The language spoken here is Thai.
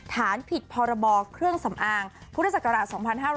ฐานผิดพรบเครื่องสำอางพุทธศักราช๒๕๖๐